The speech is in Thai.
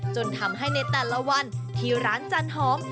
จนทำให้ในแต่ละวันที่ร้านจันหอม